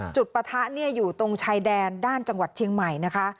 ปะทะอยู่ตรงชายแดนด้านจังหวัดเชียงใหม่นะคะ